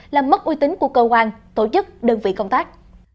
làm mất uy tín của cơ quan tổ chức đơn vị công tác